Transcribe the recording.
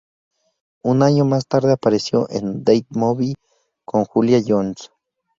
Un año más tarde apareció en "Date Movie" como Julia Jones.